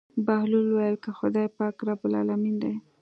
بهلول وويل که خداى پاک رب العلمين دى.